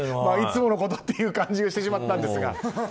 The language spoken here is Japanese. いつものことという感じがしてしまったんですが。